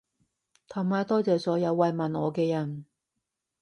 同埋多謝所有慰問我嘅人